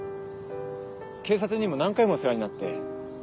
警察にも何回も世話になって。